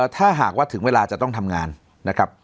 ถ้าหากว่าถึงเวลาจะต้องทำงานนะครับ